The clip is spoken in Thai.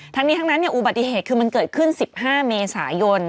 ทั้งนี้ทั้งนั้นอุบัติเหตุคือมันเกิดขึ้น๑๕เมษายน